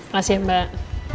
terima kasih mbak